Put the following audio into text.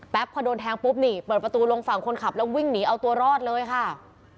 พอโดนแทงปุ๊บนี่เปิดประตูลงฝั่งคนขับแล้ววิ่งหนีเอาตัวรอดเลยค่ะ